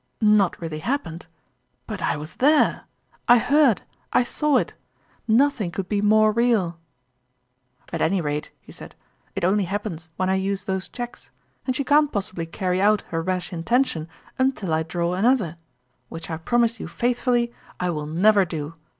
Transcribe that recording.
" Not really happened ? But I was there / I heard, I saw it nothing could be more real !"" At any rate," he said, " it only happens when I use those cheques ; and she can't pos sibly carry out her rash intention until I draw another which I promise you faithfully I will never do.